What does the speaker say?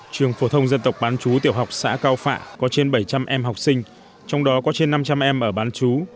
trường phổ thông dân tộc bán chú tiểu học xã cao phạ có trên bảy trăm linh em học sinh trong đó có trên năm trăm linh em ở bán chú